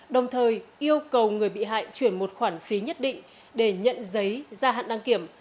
đồng thời yêu cầu người bị hại chuyển một khoản phí nhất định để nhận giấy ra hạn đăng kiểm